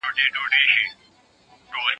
ما پرون د ښوونځي کتابونه مطالعه وکړ؟!